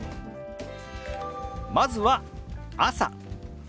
まずは「朝」。